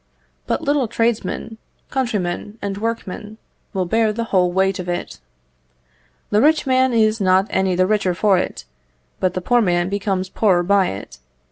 But little tradesmen, countrymen, and workmen, will bear the whole weight of it. The rich man is not any the richer for it, but the poor man becomes poorer by it.